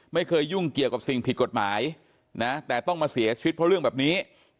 ไม่เคยยุ่งเกี่ยวกับสิ่งผิดกฎหมายนะแต่ต้องมาเสียชีวิตเพราะเรื่องแบบนี้